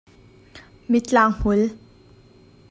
Mittlang hmul.